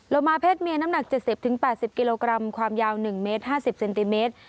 โลมาเพศเมียน้ำหนัก๗๐๘๐กิโลกรัมความยาว๑เมตร๕๐เซนติเมตร